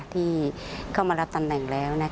ที่เข้ามารับตำแหน่งแล้ว